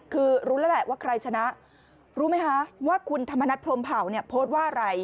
คือรู้แล้วแหละว่าใครชนะรู้ไหมคะว่าคุณธรรมนัฐพรมเผาเนี่ยโพสต์ว่าอะไร